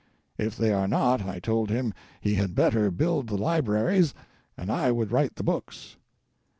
If they are not, I told him he had better build the libraries and I would write the books.